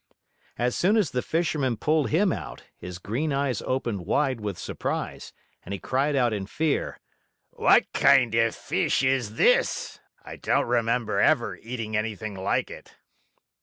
As soon as the Fisherman pulled him out, his green eyes opened wide with surprise, and he cried out in fear: "What kind of fish is this? I don't remember ever eating anything like it."